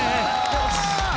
よし。